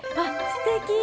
すてき。